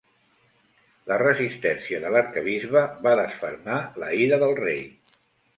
La resistència de l'arquebisbe va desfermar la ira del rei.